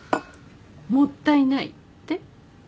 もったいないって？